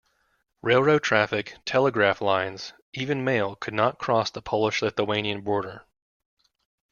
Railroad traffic, telegraph lines, even mail could not cross the Polish-Lithuanian border.